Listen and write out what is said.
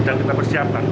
dan kita persiapkan